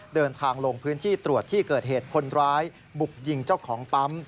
เดินทางลงพื้นที่ตรวจที่เกิดเหตุคนร้ายบุกยิงเจ้าของปั๊ม